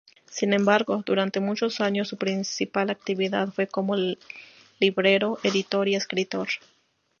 Sin embargo, durante muchos años su principal actividad fue como librero, editor y escritor.